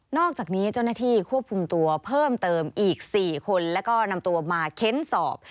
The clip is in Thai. อกจากนี้เจ้าหน้าที่ควบคุมตัวเพิ่มเติมอีก๔คนแล้วก็นำตัวมาเค้นสอบ